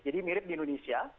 jadi mirip di indonesia